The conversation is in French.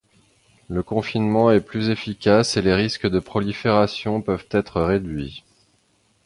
Le confinement est plus efficace et les risques de prolifération peuvent être réduits.